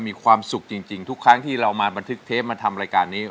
มีความสุขจริงทุกครั้งที่เรามาบันทึกเทปมาทำรายการนี้